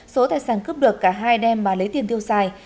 số tài sản cướp được cả hai đêm mà lấy tiền tiêu xài